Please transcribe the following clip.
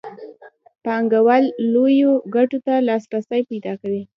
پانګوال لویو ګټو ته لاسرسی پیدا کوي